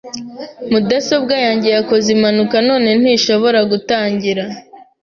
Mudasobwa yanjye yakoze impanuka none ntishobora gutangira .